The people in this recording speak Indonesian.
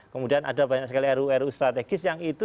kemudian ada banyak sekali ruu ruu strategis yang itu